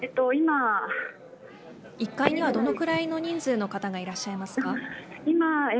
１階にはどのくらいの人数の方がいらっしゃいますか。